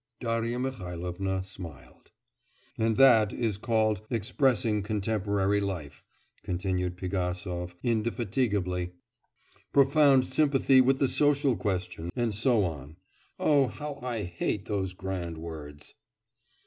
Darya Mihailovna smiled. 'And that is called expressing contemporary life,' continued Pigasov indefatigably, 'profound sympathy with the social question and so on. ... Oh, how I hate those grand words!